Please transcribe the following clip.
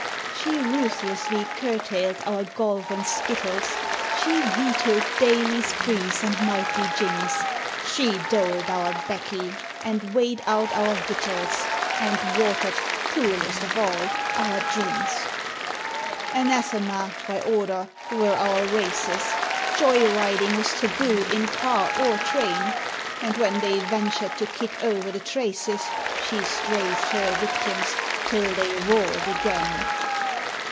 She ruthlessly curtailed our golf and skittles; She vetoed daily sprees and nightly jinks; She doled our baccy and weighed out our victuals, And watered (cruellest of all) our drinks. Anathema (by order) were our races; Joy riding was taboo in car or train; And when they ventured to kick o'er the traces She strafed her victims till they roared again.